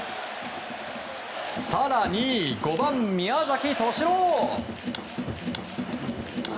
更に５番、宮崎敏郎。